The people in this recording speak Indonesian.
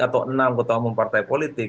atau enam ketua umum partai politik